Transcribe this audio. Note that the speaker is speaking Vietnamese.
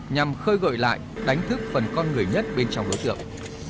nhằm khơi gợi lại đánh thức phần con người nhất bên trong đối tượng